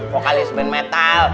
vokalis band metal